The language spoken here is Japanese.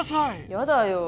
やだよ。